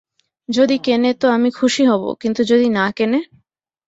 যদি কেনে তো আমি খুশি হব, কিন্তু যদি না কেনে?